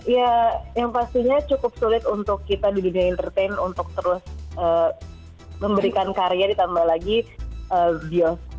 ya yang pastinya cukup sulit untuk kita di dunia entertain untuk terus memberikan karya ditambah lagi bioskop